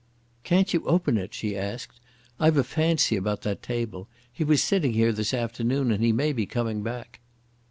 "Can't you open it?" she asked. "I've a fancy about that table. He was sitting here this afternoon and he may be coming back."